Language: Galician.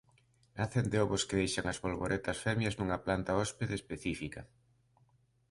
Nacen de ovos que deixan as bolboretas femias nunha planta hóspede específica.